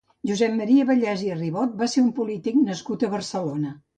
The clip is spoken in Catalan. Josep Maria Vallès i Ribot va ser un polític nascut a Barcelona.